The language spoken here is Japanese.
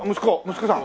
息子さん？